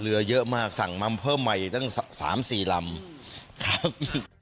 เรือเยอะมากสั่งมัมเพิ่มใหม่ตั้ง๓๔ลำครับ